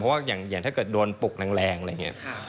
เพราะว่าอย่างถ้าเกิดโดนปลุกแรงอะไรอย่างนี้